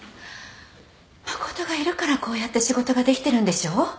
誠がいるからこうやって仕事ができてるんでしょ？